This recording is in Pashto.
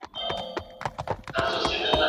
اه